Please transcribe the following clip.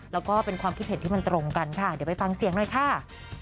แล้วก็เป็นความคิดเห็นที่มันตรงกันค่ะเดี๋ยวไปฟังเสียงหน่อยค่ะ